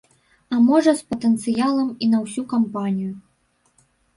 А можа з патэнцыялам і на ўсю кампанію.